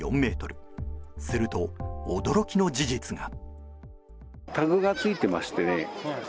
すると、驚きの事実が。